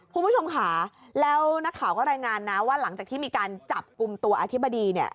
คุณผู้ชมค่ะแล้วนักข่าวก็รายงานนะว่าหลังจากที่มีการจับกลุ่มตัวอธิบดีเนี่ย